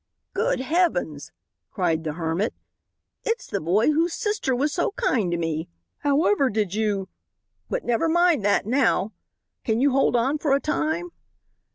"Good heavens!" cried the hermit; "it's the boy whose sister was so kind to me. However did you but never mind that now. Can you hold on for a time?"